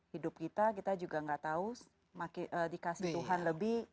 hidup kita kita juga gak tahu dikasih tuhan lebih